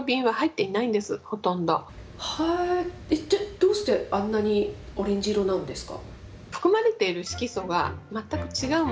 どうしてあんなにオレンジ色なんですか。